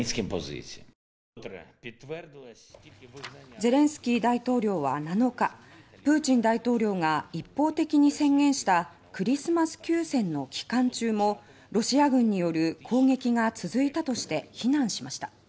ゼレンスキー大統領は７日プーチン大統領が一方的に宣言した「クリスマス休戦」の期間中もロシア軍による攻撃が続いたとして非難しました。